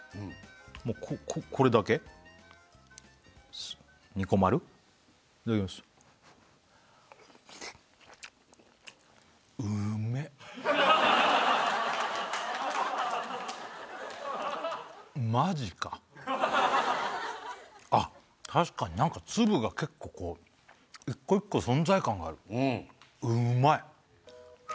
もうこれだけにこまるいただきますマジかあっ確かになんか粒が結構こう一個一個存在感があるうまい！